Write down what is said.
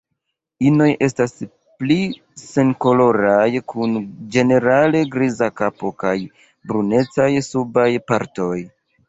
Inoj estas pli senkoloraj kun ĝenerale griza kapo kaj brunecaj subaj partoj.